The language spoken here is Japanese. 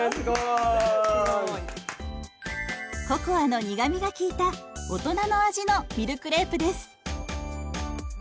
ココアの苦みが利いた大人の味のミルクレープです。